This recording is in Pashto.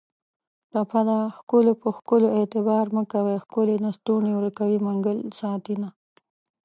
ټپه ده: خکلو په ښکلو اعتبار مه کوی ښکلي لستوڼي ورکوي منګل ساتینه